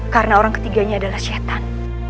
karena orang ketiganya adalah syetan